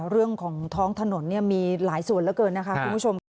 เรื่องของท้องถนนมีหลายส่วนเหลือเกินนะคะคุณผู้ชมค่ะ